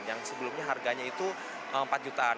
yang sebelumnya harganya itu empat jutaan